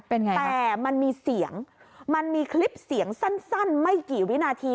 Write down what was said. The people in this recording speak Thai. เป็นไงแต่มันมีเสียงมันมีคลิปเสียงสั้นไม่กี่วินาที